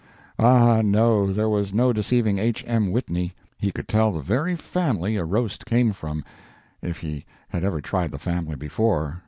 Ah, no, there was no deceiving H. M. Whitney. He could tell the very family a roast came from, if he had ever tried the family before.